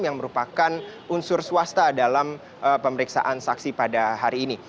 yang merupakan unsur swasta dalam pemeriksaan saksi pada hari ini